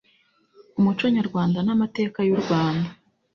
umuco nyarwanda n'amateka y'u Rwanda